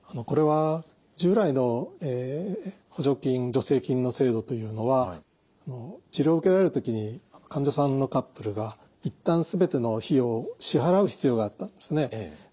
これは従来の補助金助成金の制度というのは治療を受けられる時に患者さんのカップルが一旦全ての費用を支払う必要があったんですね。